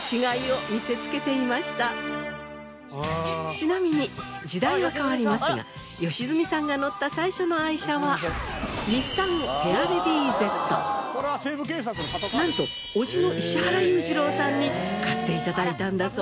ちなみに時代は変わりますが良純さんが乗った最初の愛車は日産なんと叔父の石原裕次郎さんに買って頂いたんだそうです。